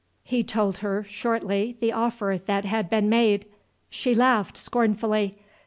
He told her shortly the offer that had been made. She laughed scornfully.